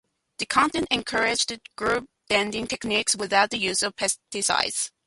The contest encouraged gardening techniques without the use of pesticides.